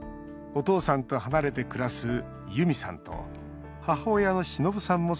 お父さんと離れて暮らすユミさんと母親の忍さんも